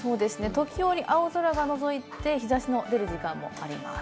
時折、青空がのぞいて日差しの出る時間もあります。